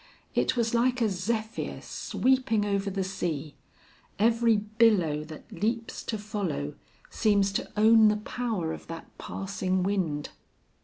It was like a zephyr sweeping over the sea; every billow that leaps to follow seems to own the power of that passing wind.